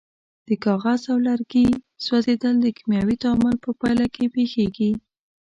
د کاغذ او لرګي سوځیدل د کیمیاوي تعامل په پایله کې پیښیږي.